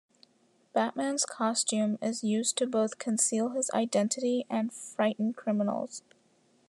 Batman's costume is used to both conceal his identity and frighten criminals.